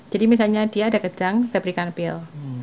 jadi misalnya dia ada kerjang saya berikan pil